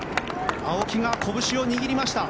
青木が、こぶしを握りました。